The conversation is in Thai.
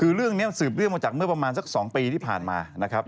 คือเรื่องนี้สืบเนื่องมาจากเมื่อประมาณสัก๒ปีที่ผ่านมานะครับ